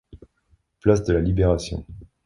Place de la Libération.